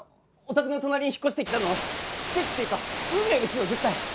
お宅の隣に引っ越してきたのは奇跡っていうか運命ですよ絶対！